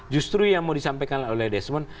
justru yang mau disampaikan oleh desmond